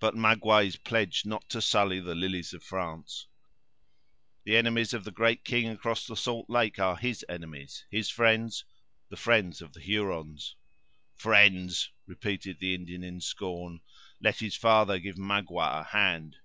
"But Magua is pledged not to sully the lilies of France. The enemies of the great king across the salt lake are his enemies; his friends, the friends of the Hurons." "Friends!" repeated the Indian in scorn. "Let his father give Magua a hand."